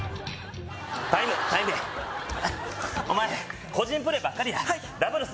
タイムタイムやお前個人プレーばっかりやはいダブルス